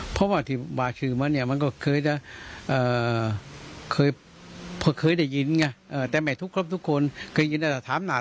เพราะว่าที่บาชื่ม่ะมันก็เคยจะ